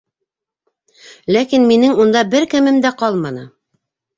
Ләкин минең унда бер кемем дә ҡалманы!